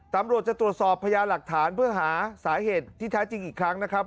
ตำรวจจะตรวจสอบพญาหลักฐานเพื่อหาสาเหตุที่แท้จริงอีกครั้งนะครับ